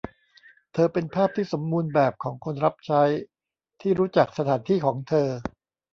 เธอเป็นภาพที่สมบูรณ์แบบของคนรับใช้ที่รู้จักสถานที่ของเธอ